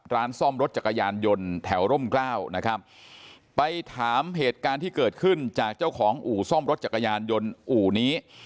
ร้านซ่อมรถจักรยานยนต์แถวร่มกล้านะครับไปถามเหตุการณ์ที่เกิดขึ้นจากเจ้าของอู่ซ่อมรถจักรยานยนต์อู่นี้